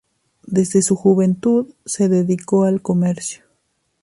Desde su juventud se dedicó al comercio.